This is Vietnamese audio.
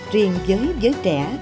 riêng với giới trẻ